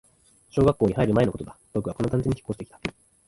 小学校に入る前のことだ、僕はこの団地に引っ越してきた